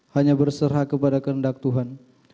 hanya berserah kepada kehendak tuhan